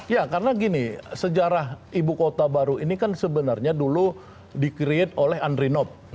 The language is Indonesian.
ya karena gini sejarah ibu kota baru ini kan sebenarnya dulu di create oleh andri nob